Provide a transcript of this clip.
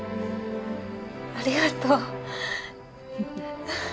ありがとう。